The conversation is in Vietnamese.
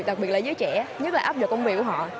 đặc biệt là giới trẻ nhất là áp dụng công việc của họ